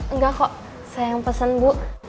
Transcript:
enggak kok saya yang pesen bu